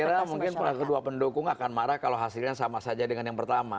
saya kira mungkin kedua pendukung akan marah kalau hasilnya sama saja dengan yang pertama